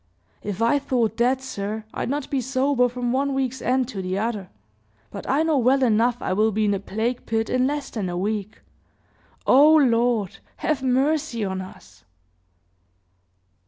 "If I thought that, sir, I'd not be sober from one week's end to t'other; but I know well enough I will be in a plague pit in less than a week. O Lord! have mercy on us!"